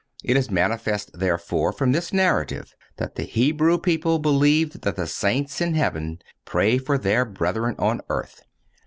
It is manifest, therefore, from this narrative that the Hebrew people believed that the saints in heaven pray for their brethren on earth.